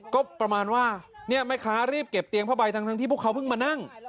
ก็ประมาณว่าเนี่ยแม่ค้ารีบเก็บเตียงผ้าใบทั้งที่พวกเขาเพิ่งมานั่ง